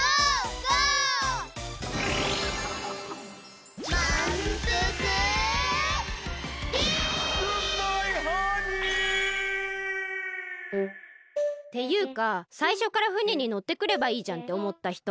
グッバイハニー！っていうかさいしょからふねにのってくればいいじゃんっておもったひと！